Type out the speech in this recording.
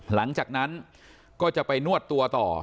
หลังจากนั้นก็จะไปนวดตัวต่อ